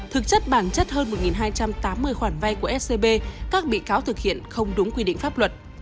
thực chất bản chất hơn một hai trăm tám mươi khoản vay của scb các bị cáo thực hiện không đúng quy định pháp luật